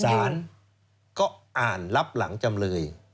สารก็อ่านรับหลังจำเลย